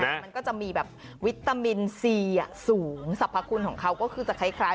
มันก็จะมีแบบวิตามินซีสูงสรรพคุณของเขาก็คือจะคล้าย